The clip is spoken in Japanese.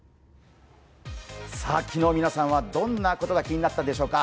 昨日皆さんはどんなことが気になったでしょうか。